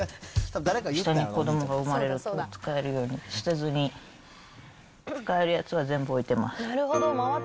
下に子どもが生まれると使えるように、捨てずに使えるやつは全部置いてます。